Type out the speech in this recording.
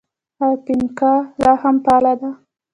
آیا فینکا لا هم فعاله ده؟